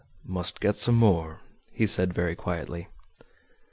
"Must get some more," he said very quietly.